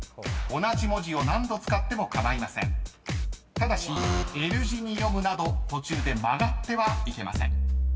［ただしＬ字に読むなど途中で曲がってはいけません］